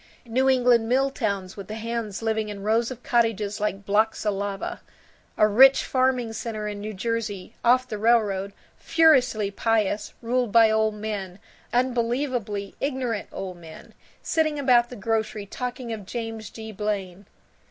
New England mill towns with the hands living in rows of cottages like blocks of lava. A rich farming center in New Jersey, off the railroad, furiously pious, ruled by old men, unbelievably ignorant old men, sitting about the grocery talking of James G. Blaine.